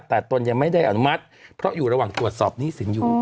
แต่ตนยังไม่ได้อนุมัติเพราะอยู่ระหว่างตรวจสอบหนี้สินอยู่